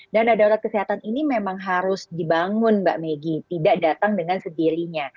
dana darurat kesehatan ini memang harus dibangun mbak megi tidak datang dengan sendirinya